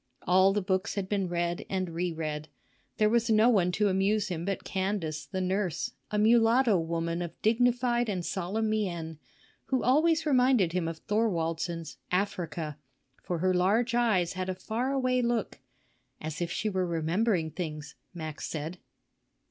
All the books had been read and re read. There was no one to amuse him but Candace, the nurse, a mulatto woman of dignified and solemn mien, who always reminded him of Thorwaldsen's "Africa," for her large eyes had a far away look, "As if she were remembering things," Max said.